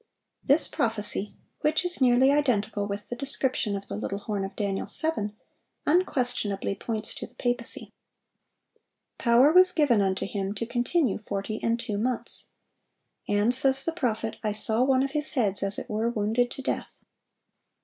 This prophecy, which is nearly identical with the description of the little horn of Daniel 7, unquestionably points to the papacy. "Power was given unto him to continue forty and two months." And, says the prophet, "I saw one of his heads as it were wounded to death."